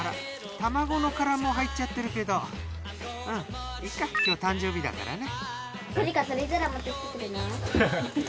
卵の殻も入っちゃってるけどうんいいか今日誕生日だからね。